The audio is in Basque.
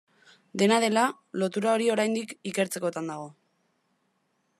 Dena dela, lotura hori oraindik ikertzekotan dago.